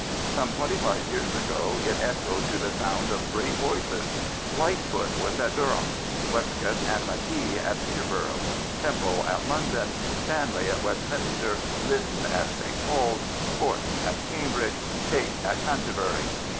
Some twenty five years ago it echoed to the sound of great voices. Lightfoot was at Durham, Westcott and Magee at Peterborough, Temple at London, Stanley at West minster, Liddon at St. Paul's, Hort at Cambridge, Tait at Canterbury.